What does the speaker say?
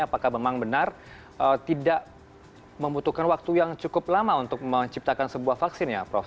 apakah memang benar tidak membutuhkan waktu yang cukup lama untuk menciptakan sebuah vaksin ya prof